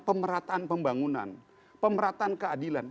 pemerataan pembangunan pemerataan keadilan